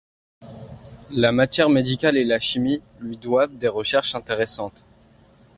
La matière médicale et la chimie lui doivent des recherches intéressantes.